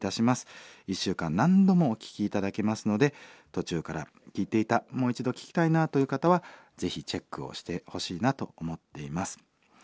１週間何度もお聴き頂けますので途中から聴いていたもう一度聴きたいなという方はぜひチェックをしてほしいなと思っています。